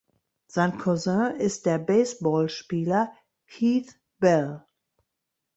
Sein Cousin ist der Baseballspieler Heath Bell.